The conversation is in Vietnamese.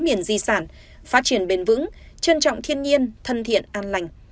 miền di sản phát triển bền vững trân trọng thiên nhiên thân thiện an lành